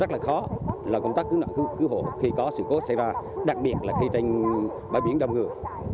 rất là khó là công tác cứu nạn cứu hộ khi có sự cố xảy ra đặc biệt là khi trên bãi biển đông người